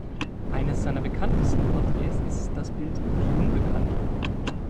Eines seiner bekanntesten Porträts ist das Bild "Die Unbekannte".